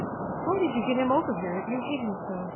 "Why did you get him over here, if you hate him so?